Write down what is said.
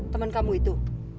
temen kamu itu